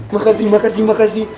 makasih makasih makasih